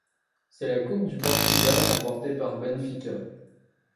C'est la Coupe du Portugal remportée par Benfica.